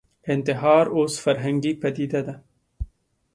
انتحار اوس فرهنګي پدیده ده